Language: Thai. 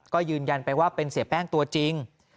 ก็ยืนยันไปว่าเป็นเสียแป้งตัวจริง